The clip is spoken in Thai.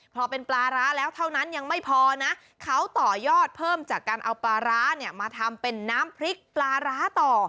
พอเป็นปลาร้าแล้วเท่านั้นยังไม่พอนะเขาต่อยอดเพิ่มจากการเอาปลาร้าเนี่ยมาทำเป็นน้ำพริกปลาร้าต่อ